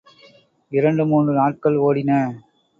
இரண்டு மூன்று நாட்கள் ஓடின.